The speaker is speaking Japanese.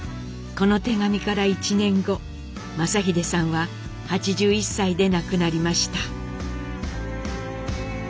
この手紙から１年後正英さんは８１歳で亡くなりました。